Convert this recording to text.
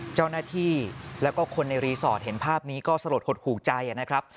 เจ้าหน้าที่แล้วก็คนในรีสอร์ทเห็นภาพนี้ก็สลดหดหูใจนะครับ